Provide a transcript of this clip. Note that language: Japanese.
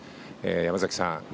山崎さん